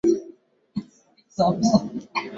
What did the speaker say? mkuu wa Uturuki mwaka elfumoja miatatu sitini na tano